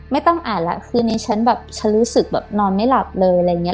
ไม่ต้องอ่านแล้วคือนี้ฉันแบบฉันรู้สึกแบบนอนไม่หลับเลยอะไรอย่างนี้